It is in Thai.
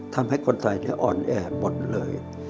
ทำให้คนไทยอ่อนแอหมดเลย